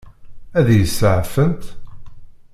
Ad iyi-iseɛfent?